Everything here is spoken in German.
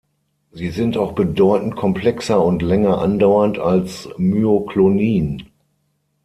Sie sind auch bedeutend komplexer und länger andauernd als Myoklonien.